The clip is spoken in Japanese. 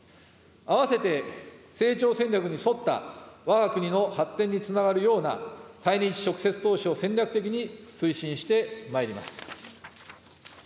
併せて成長戦略に沿ったわが国の発展につながるような対日直接投資を戦略的に推進してまいります。